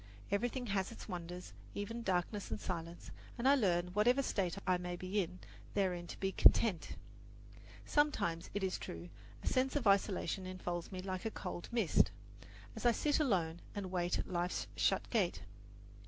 Everything has its wonders, even darkness and silence, and I learn, whatever state I may be in, therein to be content. Sometimes, it is true, a sense of isolation enfolds me like a cold mist as I sit alone and wait at life's shut gate.